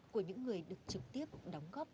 của những người được trực tiếp đóng góp